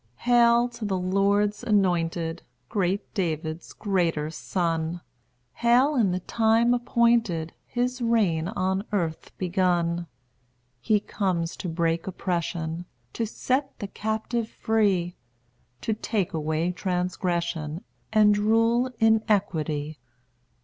Hail to the Lord's anointed! Great David's greater Son! Hail, in the time appointed, His reign on earth begun! He comes to break oppression, To set the captive free, To take away transgression, And rule in equity.